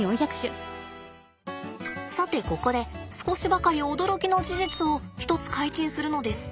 さてここで少しばかり驚きの事実を一つ開陳するのです。